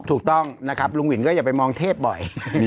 ถูกต้องนะครับลุงวินก็อย่าไปมองเทพบ่อย